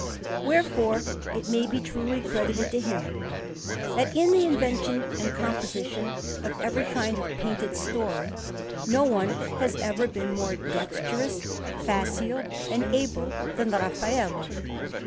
Wherefore it may be truly credited to him that in the invention and composition of every kind of painted story, no one has ever been more dexterous, facile, and able than Raffaello.